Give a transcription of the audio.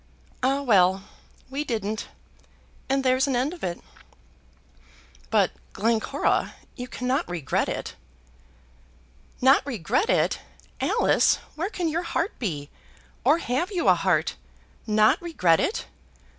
Ah, well! we didn't, and there's an end of it." "But Glencora, you cannot regret it." "Not regret it! Alice, where can your heart be? Or have you a heart? Not regret it!